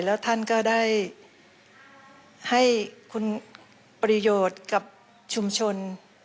แล้วท่านก็ได้ให้คุณประโยชน์กับชุมชน